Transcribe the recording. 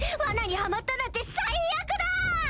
罠にハマったなんて最悪だ！